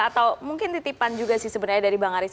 atau mungkin titipan juga sih sebenarnya dari bang aris